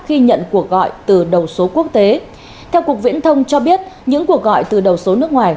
khi nhận cuộc gọi từ đầu số quốc tế theo cục viễn thông cho biết những cuộc gọi từ đầu số nước ngoài